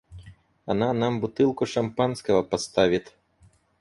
Она нам бутылку шампанского поставит.